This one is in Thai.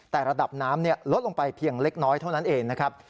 แต่ระดับน้ำลดลงไปเพียงเล็กน้อยเท่านั้นเองนะครับ